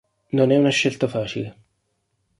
Non è una scelta facile.